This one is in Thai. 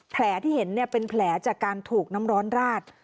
แผลที่เห็นเป็นแผลจากการถูกน้ำร้อนราด